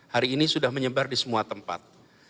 hari ini sudah menyebar di semua tempat